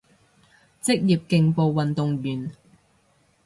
職業競步運動員